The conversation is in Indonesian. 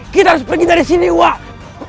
kita harus pergi dari sini wak